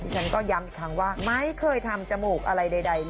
ฉันก็ย้ำอีกครั้งว่าไม่เคยทำจมูกอะไรใดเลย